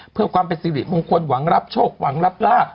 เพื่อความเป็นสิริมงคลหวังรับโชคหวังรับลาบ